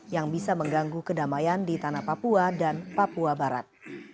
yang bisa mengganggu kedamaian di tanah papua dan papua barat